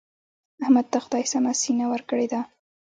احمد ته خدای سمه سینه ورکړې ده.